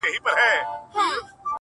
توري شپې سوې سپیني ورځي ښار سینګار سو-